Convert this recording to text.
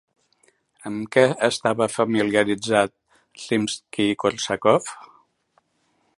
Amb què estava familiaritzat Rimski-Kórsakov?